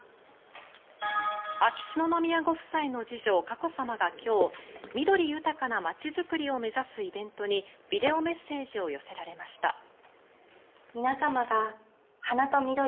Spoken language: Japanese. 秋篠宮ご夫妻の次女佳子さまが今日緑豊かな街づくりを目指すイベントにビデオメッセージを寄せられました。